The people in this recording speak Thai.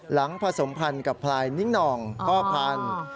หลังผสมพันธุ์กับพลายนิ้งนองข้อพันธุ์